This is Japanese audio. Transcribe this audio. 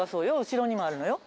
後ろにもあるのよ。